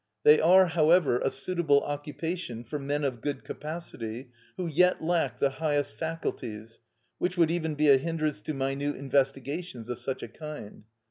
They are, however, a suitable occupation for men of good capacity who yet lack the highest faculties, which would even be a hindrance to minute investigations of such a kind.